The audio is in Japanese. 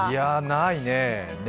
ないね、ね